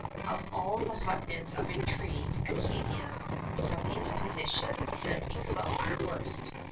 Of all the hotbeds of intrigue, Acadia, from its position, had become the worst.